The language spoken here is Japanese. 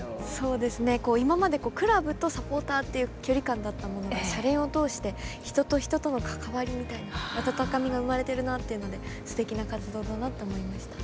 今までクラブとサポーターっていう距離感だったものが「シャレン！」を通して人と人との関わりみたいな温かみが生まれてるなっていうのですてきな活動だなと思いました。